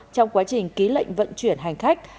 trong quá trình ký lệnh vận chuyển hành khách